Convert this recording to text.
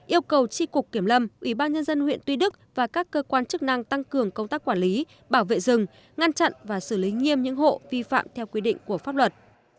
yêu cầu tri cục kiểm lâm ubnd huyện tuy đức và các cơ quan chức năng tăng cường công tác quản lý bảo vệ rừng ngăn chặn và xử lý nghiêm những hộ vi phạm theo quy định của pháp luật